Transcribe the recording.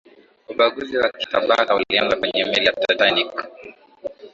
ubaguzi wa kitabaka ulianza kwenye meli ya titanic